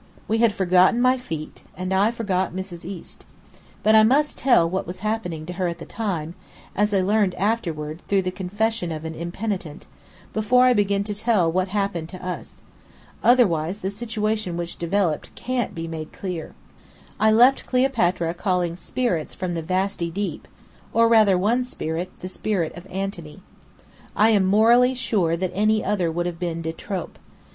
We had forgotten my feet; and I forgot Mrs. East. But I must tell what was happening to her at the time (as I learned afterward, through the confession of an impenitent), before I begin to tell what happened to us. Otherwise the situation which developed can't be made clear. I left Cleopatra calling spirits from the vasty deep, or rather one spirit; the spirit of Antony. I am morally sure that any other would have been de trop.